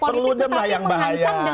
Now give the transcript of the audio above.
perludem lah yang bahaya